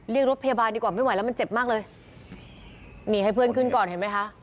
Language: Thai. รถพยาบาลดีกว่าไม่ไหวแล้วมันเจ็บมากเลยนี่ให้เพื่อนขึ้นก่อนเห็นไหมคะ